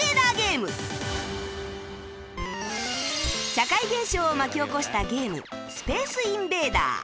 社会現象を巻き起こしたゲームスペースインベーダー